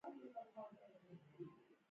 ځمکنی شکل د افغانستان د صادراتو برخه ده.